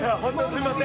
すいません